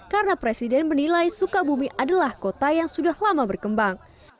karena presiden menilai sukabumi adalah kota yang sudah lama berkembang